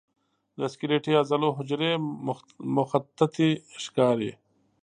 د سکلیټي عضلو حجرې مخططې ښکاري.